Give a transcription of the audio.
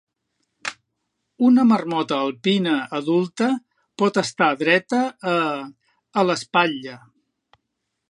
Una marmota alpina adulta pot estar dreta a (...) a l'espatlla.